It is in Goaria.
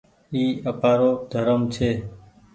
اي آپآرو ڌرم ڇي۔